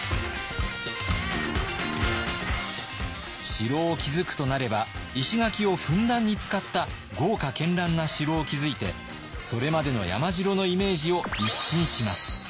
城を築くとなれば石垣をふんだんに使った豪華絢爛な城を築いてそれまでの山城のイメージを一新します。